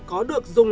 có được dùng lại